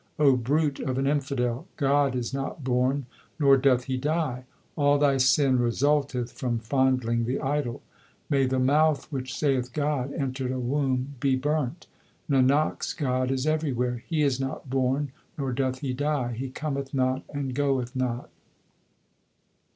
O, brute of an infidel, God is not born, nor doth He die. All thy sin result eth from fondling the idol. May the mouth which sayeth God entered a womb be burnt ! Nanak s God is everywhere ; He is not born, nor doth He die ; He cometh not and goeth not.